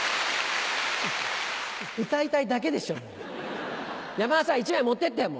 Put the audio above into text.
歌いたいだけでしょう山田さん１枚持ってって。